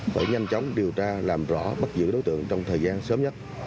phải nhanh chóng điều tra làm rõ bắt giữ đối tượng trong thời gian sớm nhất